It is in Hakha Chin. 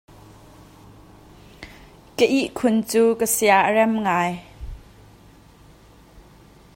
Ka ihkhun cu ka sia a rem ngai.